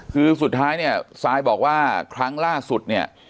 คือสุดท้ายซายบอกว่าครั้งล่าสุด